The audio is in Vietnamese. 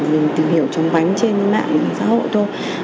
mình tìm hiểu trong bánh trên mạng xã hội thôi